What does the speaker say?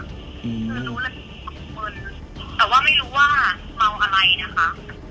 คือรู้เลยด้วยแหลกเบิร์นแต่ว่าไม่รู้ว่ามัวอะไรนะคะ